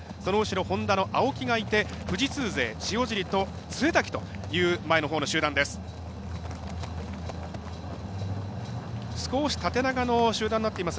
ホンダの青木がいて富士通勢、塩尻と潰滝という前のほうの集団です。